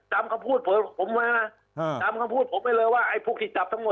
จำความพูดผมมาอ่าจำความพูดผมไปเลยว่าไอ้พวกที่จับทั้งหมด